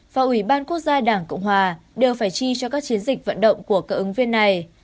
và ủy ban quốc gia đảng cộng hòa đều phải chi cho các chiến dịch vận động của cậ ứng viên này